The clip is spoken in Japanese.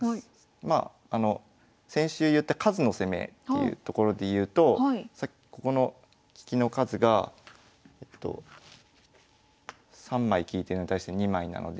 まあ先週言った数の攻めっていうところでいうとここの利きの数が３枚利いてるのに対して２枚なので。